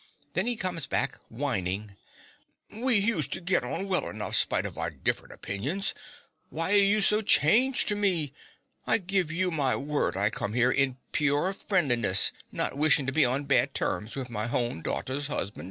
Then he comes back whining.) We huseter git on well enough, spite of our different opinions. Why are you so changed to me? I give you my word I come here in pyorr (pure) frenliness, not wishin' to be on bad terms with my hown daughrter's 'usban'.